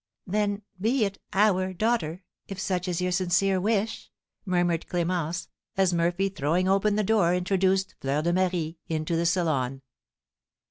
'" "Then be it our daughter, if such is your sincere wish," murmured Clémence, as Murphy, throwing open the door, introduced Fleur de Marie into the salon.